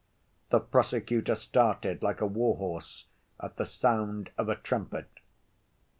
The prosecutor started like a war‐horse at the sound of a trumpet.